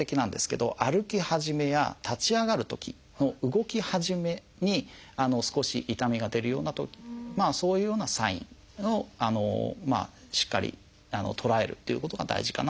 歩き始めや立ち上がるときの動き始めに少し痛みが出るようなそういうようなサインをしっかり捉えるっていうことが大事かなと思います。